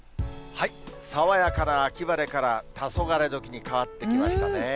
爽やかな秋晴れから、たそがれどきに変わってきましたね。